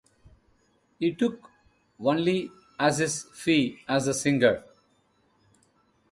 He took only as his fee as the singer.